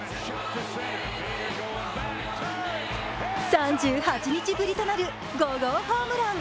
３８日ぶりとなる５号ホームラン。